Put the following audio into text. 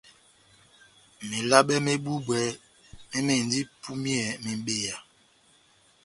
Melabe mé búbwɛ mémɛdɛndi ipúmiyɛ mebeya.